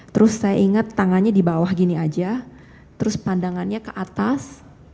terus saya ingat tangannya di bawah gini aja terus pandangannya ke atas